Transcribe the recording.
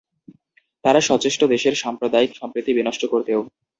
তারা সচেষ্ট দেশের সাম্প্রদায়িক সম্প্রীতি বিনষ্ট করতেও।